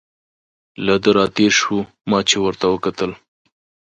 له ده را تېر شو، ما چې ورته وکتل.